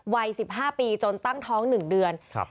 วัยสิบห้าปีจนตั้งท้องหนึ่งเดือนครับ